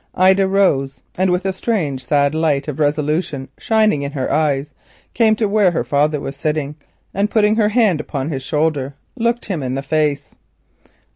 Ida rose, and with a strange sad light of resolution shining in her eyes, came to where her father was sitting, and putting her hands upon his shoulders, looked him in the face.